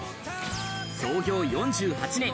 創業４８年。